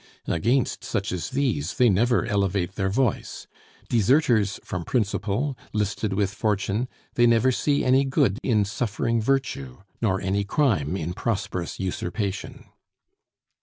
Against such as these they never elevate their voice. Deserters from principle, listed with fortune, they never see any good in suffering virtue, nor any crime in prosperous usurpation.